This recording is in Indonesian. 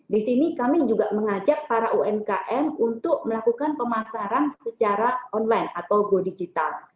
di sini kami juga mengajak para umkm untuk melakukan pemasaran secara online atau go digital